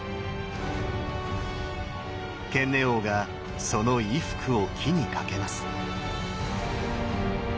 懸衣翁がその衣服を木にかけます。